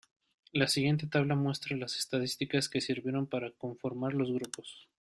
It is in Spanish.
La siguiente tabla muestra las estadísticas que sirvieron para conformar los grupos.